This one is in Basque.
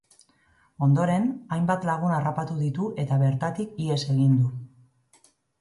Ondoren, hainbat lagun harrapatu ditu eta bertatik ihes egin du.